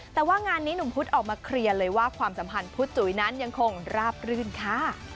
แต่ว่างานนี้หนุ่มพุธออกมาเคลียร์เลยว่าความสัมพันธ์พุทธจุ๋ยนั้นยังคงราบรื่นค่ะ